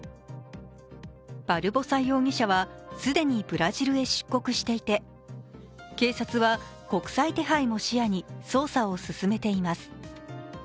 バルボサ容疑者は既にブラジルへ出国していて警察は、国際手配も視野に捜査を進めています。